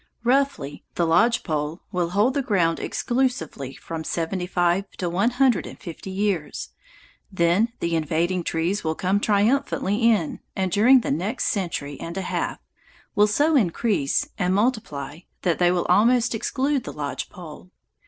Roughly, the lodge pole will hold the ground exclusively from seventy five to one hundred and fifty years, then the invading trees will come triumphantly in and, during the next century and a half, will so increase and multiply that they will almost exclude the lodge pole.